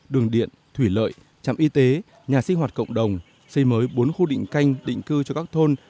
đường điện thủy lợi trạm y tế nhà sinh hoạt cộng đồng xây mới bốn khu định canh định cư cho các thôn